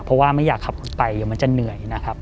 เพราะว่าไม่อยากขับรถไปเดี๋ยวมันจะเหนื่อยนะครับ